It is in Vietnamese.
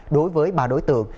đối với ba đối tượng